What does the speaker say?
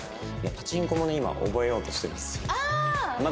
パチンコもね今覚えようとしてるんですよ。